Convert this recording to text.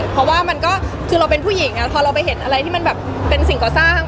เพราะว่ามันก็คือเราเป็นผู้หญิงพอเราไปเห็นอะไรที่มันแบบเป็นสิ่งก่อสร้าง